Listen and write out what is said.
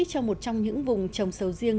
cho một trong những vùng trồng sầu riêng